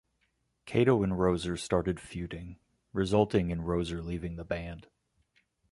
Kato and Roeser started feuding, resulting in Roeser leaving the band.